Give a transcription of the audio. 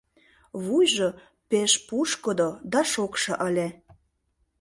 Вуйжо пеш пушкыдо да шокшо ыле.